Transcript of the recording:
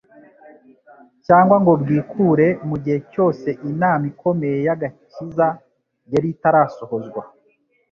cyangwa ngo bwikure mu gihe cyose inama ikomeye y'agakiza yari itarasohozwa.